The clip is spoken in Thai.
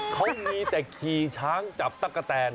เขามีแต่ขี่ช้างจับตั๊กกะแตน